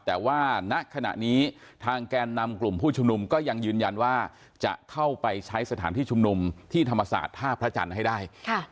แต่ว่าณขณะนี้ทางแกนนำกลุ่มผู้ชุมนุมก็ยังยืนยันว่าจะเข้าไปใช้สถานที่ชุมนุมที่ธรรมศาสตร์ท่าพระจันทร์ให้ได้